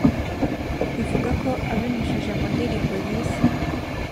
ivugako abinyujije mu ndirimbo yise